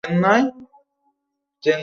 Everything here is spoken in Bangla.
তারা এখানে কৃষিভিত্তিক সমাজ গড়ে তুলে।